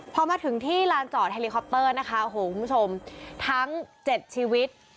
พอมาถึงที่ลานจอดเฮลิคอปเตอร์นะคะโอ้โหคุณผู้ชมทั้ง๗ชีวิต